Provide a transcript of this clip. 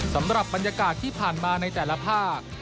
สำหรับบรรยากาศที่ผ่านมาในแต่ละภาค